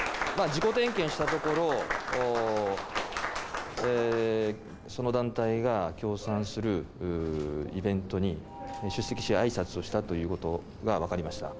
自己点検したところ、その団体が協賛するイベントに出席し、あいさつをしたということが分かりました。